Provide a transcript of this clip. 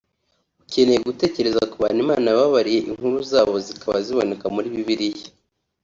Ukeneye gutekereza ku bantu Imana yababariye inkuru zabo zikaba ziboneka muri Bibiliya